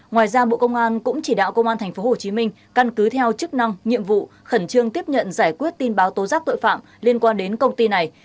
ngoài ra bộ công an cũng chỉ đạo công an tp hcm căn cứ theo chức năng nhiệm vụ khẩn trương tiếp nhận giải quyết tin báo tố giác tội phạm liên quan đến công ty này